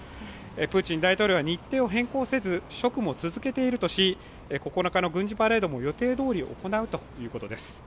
プーチン大統領は日程を変更せず職務を続けているとし９日の軍事パレードも予定どおり行うということです。